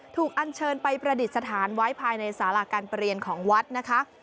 อันเชิญไปประดิษฐานไว้ภายในสาราการเปลี่ยนของวัดนะคะ